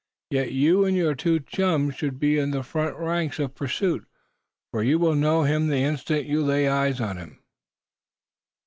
Yet you and your two chums should be in the front ranks of pursuit, for you will know him the instant you lay eyes on him."